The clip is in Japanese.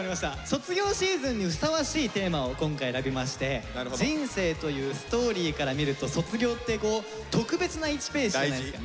卒業シーズンにふさわしいテーマを今回選びまして人生というストーリーから見ると卒業って特別な１ページじゃないですか。